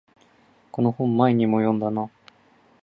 この本前にも読んだな